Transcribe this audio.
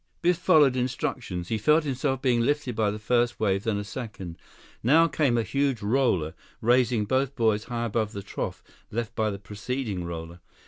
55 Biff followed instructions. He felt himself being lifted by the first wave, then a second. Now came a huge roller, raising both boys high above the trough left by the preceding roller.